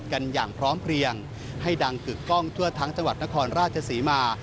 กันอย่างพร้อมเพลียงให้ดังกึกกล้องทั่วทั้งจังหวัดนครราชศรีมา